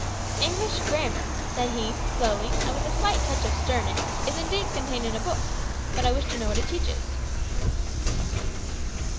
"`English grammar,' said he, slowly, and with a slight touch of sternness, `is indeed contained in a book; but I wish to know what it teaches.'